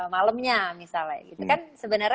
malemnya misalnya itu kan sebenarnya